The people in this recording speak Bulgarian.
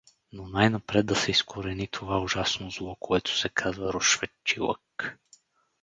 Но най-напред да се изкорени това ужасно зло, което се казва рушветчилък.